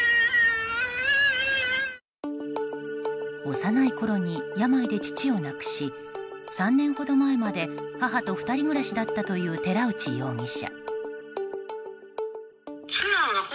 幼いころに病で父を亡くし３年ほど前まで母と２人暮らしだったという寺内容疑者。